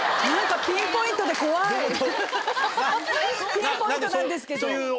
ピンポイントなんですけど。